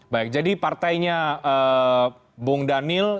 baik jadi partainya bung daniel